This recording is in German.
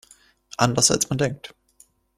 Anders als man denkt.